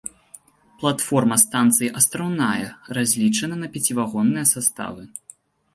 Платформа станцыі астраўная, разлічана на пяцівагонныя саставы.